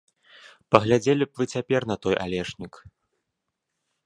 Паглядзелі б вы цяпер на той алешнік!